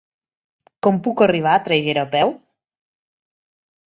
Com puc arribar a Traiguera a peu?